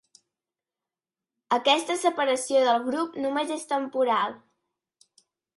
Aquesta separació del grup només és temporal.